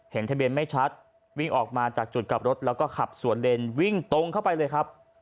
ทะเบียนไม่ชัดวิ่งออกมาจากจุดกลับรถแล้วก็ขับสวนเลนวิ่งตรงเข้าไปเลยครับ